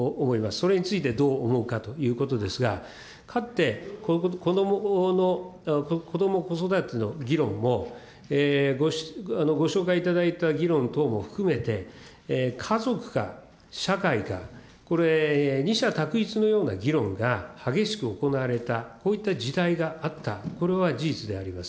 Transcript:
それについてどう思うかということですが、かつてこども・子育ての議論も、ご紹介いただいた議論等も含めて、家族か社会か、これ、二者択一のような議論が激しく行われた、こういった時代があった、これは事実であります。